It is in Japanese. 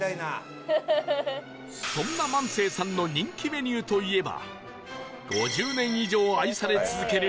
そんな万世さんの人気メニューといえば